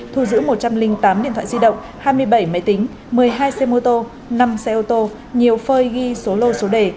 thu giữ một trăm linh tám điện thoại di động hai mươi bảy máy tính một mươi hai xe mô tô năm xe ô tô nhiều phơi ghi số lô số đề